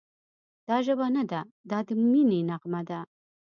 دا ژبه نه ده، دا د مینې نغمه ده»